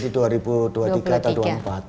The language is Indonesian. di dua ribu dua puluh tiga atau dua puluh empat